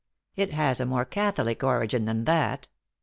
It has a more catholic origin than that.